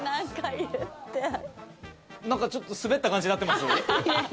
なんかちょっとスベッた感じになってます？